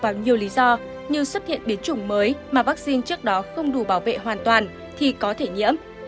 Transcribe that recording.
bằng nhiều lý do như xuất hiện biến chủng mới mà vaccine trước đó không đủ bảo vệ hoàn toàn thì có thể nhiễm